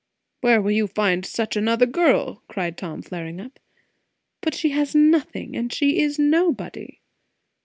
"Where will you find such another girl?" cried Tom, flaring up. "But she has nothing, and she is nobody."